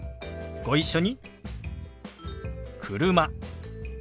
ご一緒に。